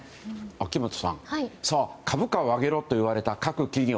秋元さん、株価を上げろといわれた各企業。